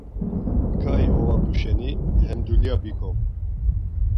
Ǩai ovapu şeni he dulya bikom.